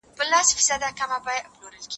زه به سبا د هنرونو تمرين وکړم..